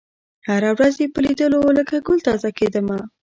هره ورځ یې په لېدلو لکه ګل تازه کېدمه